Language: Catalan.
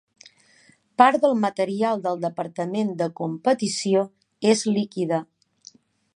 Part del material del departament de competició es liquida.